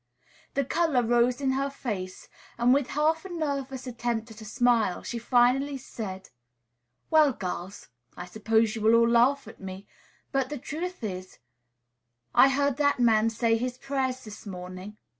The color rose in her face, and, with a half nervous attempt at a smile, she finally said, "Well, girls, I suppose you will all laugh at me; but the truth is, I heard that man say his prayers this morning.